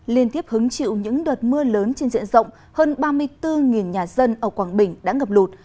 liên tiếp hứng chịu những đợt mưa lớn trên diện rộng hơn ba mươi bốn nhà dân ở quảng bình đã ngập lụt